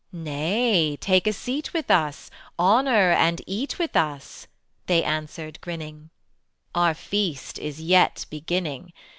"Nay, take a seat with us, Honor and eat with us," They answered grinning: "Our feast is but beginning.